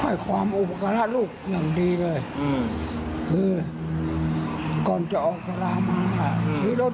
ให้ความอุภาคาลูกอย่างดีเลยเหมือนคือก่อนจะออกทะลามมาอะหรือรถ